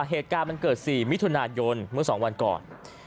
เหตุการณ์มันเกิด๔มิถุนายนเมื่อ๒วันก่อน